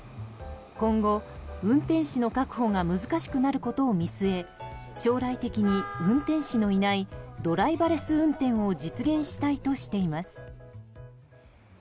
今後、運転士の確保が難しくなることを見据え将来的に運転士のいないドライバレス運転を実現したいとしています。